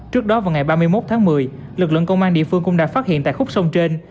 trước đó vào ngày ba mươi một tháng một mươi lực lượng công an địa phương cũng đã phát hiện tại khúc sông trên